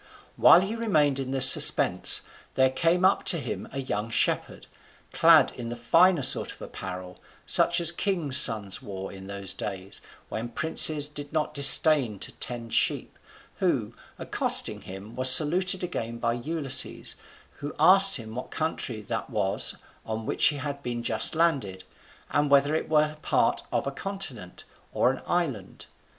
While he remained in this suspense, there came up to him a young shepherd, clad in the finer sort of apparel, such as kings' sons wore in those days when princes did not disdain to tend sheep, who, accosting him, was saluted again by Ulysses, who asked him what country that was on which he had been just landed, and whether it were part of a continent, or an island.